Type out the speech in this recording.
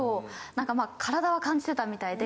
なんかまあ体は感じてたみたいで。